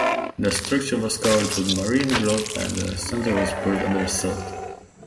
The structure was covered with marine growth and the centre was buried under silt.